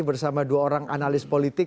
bersama dua orang analis politik